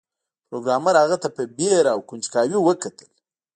پروګرامر هغه ته په ویره او کنجکاوی وکتل